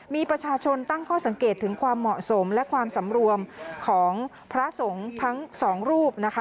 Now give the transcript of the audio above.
มีประชาชนตั้งข้อสังเกตถึงความเหมาะสมและความสำรวมของพระสงฆ์ทั้งสองรูปนะคะ